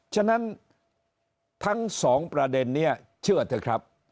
ฉะนั้นทั้งสองประเด็นนี้เชื่อเถอะครับ